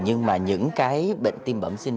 nhưng mà những cái bệnh tim bẩm sinh